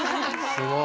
すごい。